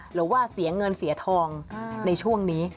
หรือว่าเสียเงินเสียทองในช่วงนี้